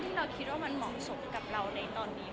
เราคิดว่ามันเหมาะสมกับเราในตอนนี้